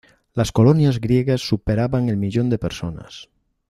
Las colonias griegas superaban el millón de personas.